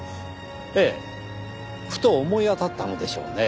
ええふと思い当たったのでしょうね。